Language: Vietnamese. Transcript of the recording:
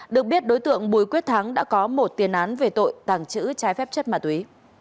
được biết đối tượng bùi quyết thắng đã có một tiền án về tội tàng trữ trái phép chất ma túy